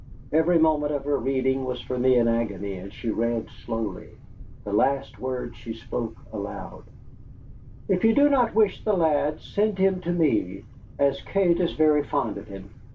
Every moment of her reading was for me an agony, and she read slowly. The last words she spoke aloud: "'If you do not wish the lad, send him to me, as Kate is very fond of him.